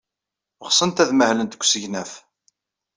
Ɣsent ad mahlent deg usegnaf.